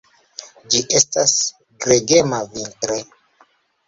Ĝi estas gregema vintre.